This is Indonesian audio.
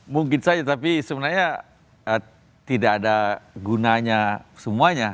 mungkin saja tapi sebenarnya tidak ada gunanya semuanya